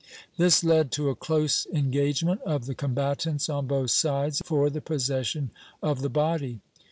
This led to a close engagement of the combatants on both sides for the possession of the body.